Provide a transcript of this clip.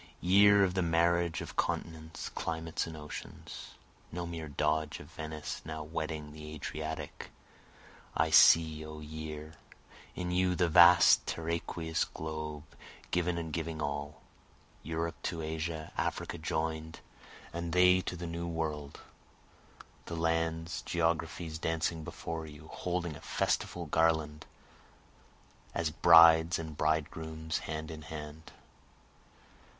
Year of the marriage of continents, climates and oceans! (No mere doge of Venice now wedding the Adriatic,) I see O year in you the vast terraqueous globe given and giving all, Europe to Asia, Africa join'd, and they to the New World, The lands, geographies, dancing before you, holding a festival garland, As brides and bridegrooms hand in hand.